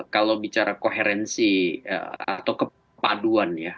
kalau bicara koherensi atau kepaduan ya